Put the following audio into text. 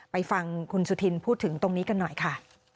ไปฟังคุณสุธินพูดถึงตรงนี้กันหน่อยค่ะ